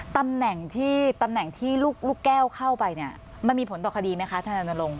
ตำแหน่งที่ลูกแก้วเข้าไปมันมีผลต่อคดีไหมคะท่านอาจารย์ลง